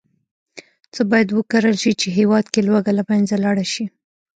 څه باید وکرل شي، چې هېواد کې لوږه له منځه لاړه شي.